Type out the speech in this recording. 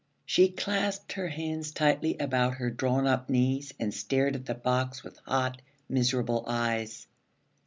She clasped her hands tightly about her drawn up knees and stared at the box with hot, miserable eyes.